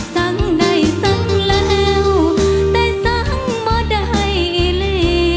สังได้สังแล้วแต่สังบ่ได้อีเล่